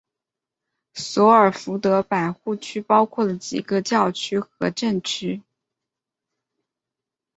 索尔福德百户区包含了几个教区和镇区。